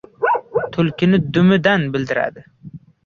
• Tulkini dumidan biladilar.